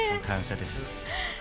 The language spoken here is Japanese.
感謝です。